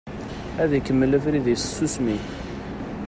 Ad ikemmel abrid-is s tsusmi.